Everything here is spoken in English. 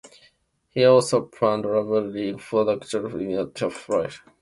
He also played rugby league for the Auckland Warriors in their first two seasons.